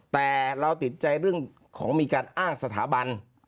แต่เราติดใจเรื่องของมีการอ้างสถาบัน